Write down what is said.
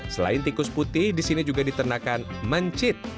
selain tikus putih di sini juga diternakan mencit